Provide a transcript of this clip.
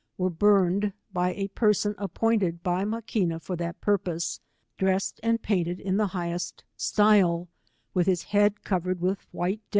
w ere burned by a porsoii appointed by Maquina for thai purpose, dressed and painted in the highest style, with his head covered with white do.